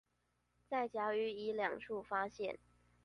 在甲與乙兩處發現